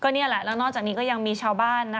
นั่นจากนี้ก็ยังมีชาวบ้าน